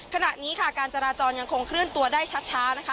ขณะนี้ค่ะการจราจรยังคงเคลื่อนตัวได้ช้านะคะ